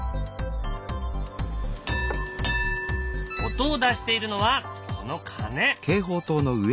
音を出しているのはこの鐘。